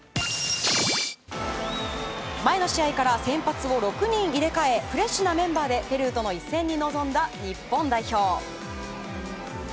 前の試合から先発を６人入れ替えフレッシュなメンバーでペルーとの試合に臨んだ日本代表。